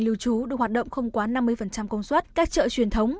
lưu trú được hoạt động không quá năm mươi công suất các chợ truyền thống